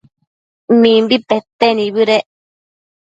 Mimbi pete nibëdec